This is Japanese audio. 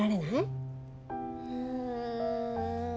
うん。